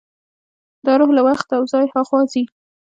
دا روح له وخت او ځای هاخوا ځي.